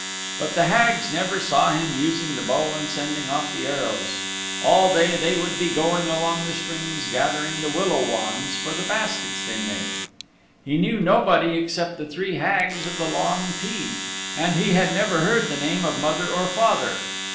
But the Hags never saw him using the bow and sending off the arrows. All day they would be going along the streams gathering the willow wands for the baskets they made. He knew nobody except the three Hags of the Long Teeth, and he had never heard the name of mother or father.